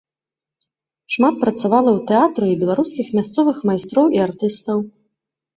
Шмат працавала ў тэатры і беларускіх мясцовых майстроў і артыстаў.